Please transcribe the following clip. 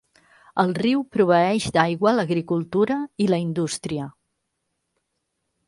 El riu proveeix d'aigua l'agricultura i la indústria.